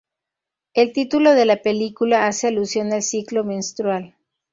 El título de la película hace alusión al ciclo menstrual.